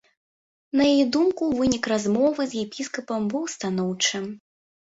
На яе думку, вынік размовы з епіскапам быў станоўчы.